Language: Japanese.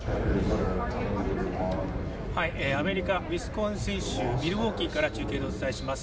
アメリカ・ウィスコンシン州ミルウォーキーからお伝えします。